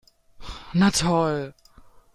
Na toll!